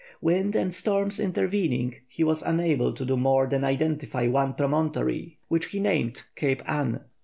Wind and storms intervening, he was unable to do more than identify one promontory, which he named Cape Ann.